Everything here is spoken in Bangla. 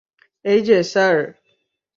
এইযে, স্যার।